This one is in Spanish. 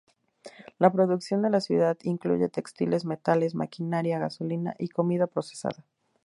La producción de la ciudad incluye textiles, metales, maquinaria, gasolina y comida procesada.